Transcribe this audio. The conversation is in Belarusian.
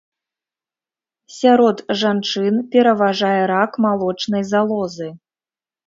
Сярод жанчын пераважае рак малочнай залозы.